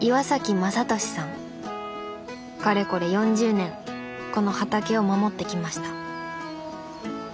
かれこれ４０年この畑を守ってきました。